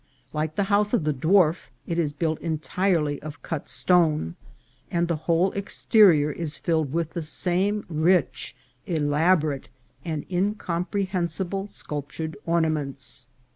Like the house of the dwarf, it is built entirely of cut stone, and the whole exterior is filled with the same rich, elaborate, and incomprehensible sculptured ornaments.